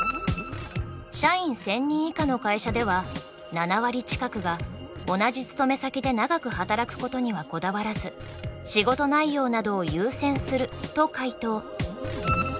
社員１，０００人以下の会社では７割近くが同じ勤め先で長く働くことにはこだわらず仕事内容などを優先すると回答。